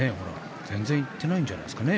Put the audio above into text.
全然行ってないんじゃないですかね